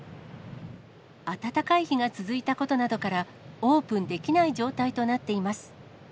暖かい日が続いたことなどから、オープンできない状態となっています。